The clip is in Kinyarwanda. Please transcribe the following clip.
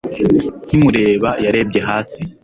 Nkimureba yarebye hasi